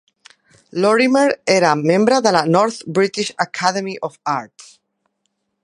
Lorimer era membre de la North British Academy of Arts.